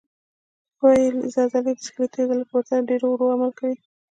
ښویې عضلې د سکلیټي عضلو په پرتله ډېر ورو عمل کوي.